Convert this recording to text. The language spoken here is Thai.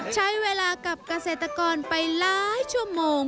ใช้เวลากับเกษตรกรไปหลายชั่วโมง